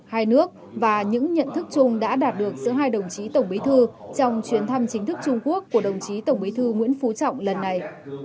hai nước và những nhận thức chung đã đạt được giữa hai đồng chí tổng bí thư trong chuyến thăm chính thức trung quốc của đồng chí tổng bí thư nguyễn phú trọng lần này